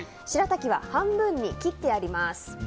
しらたきは半分に切ってあります。